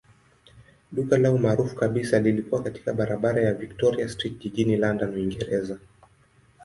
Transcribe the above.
Duka lao maarufu kabisa lilikuwa katika barabara ya Victoria Street jijini London, Uingereza.